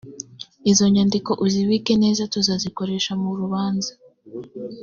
izo nyandiko uzibike neza tuzazikoresha mu rubanza